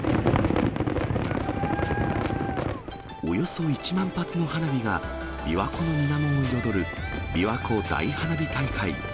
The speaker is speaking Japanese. およそ１万発の花火が琵琶湖のみなもを彩る、びわ湖大花火大会。